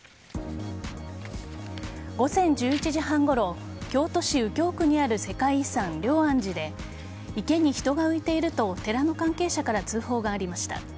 午前１１時半ごろ京都市右京区にある世界遺産・龍安寺で池に人が浮いていると寺の関係者から通報がありました。